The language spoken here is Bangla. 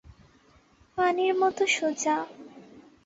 পানির মতো সোজা।